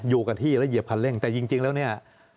อยู่กับที่แล้วเหยียบคันเร่งแต่จริงแล้วเนี่ย